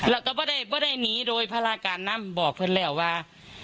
แล้วก็ไม่ได้ไม่ได้หนีโดยพระราการนั่งบอกเพลินแล้วว่า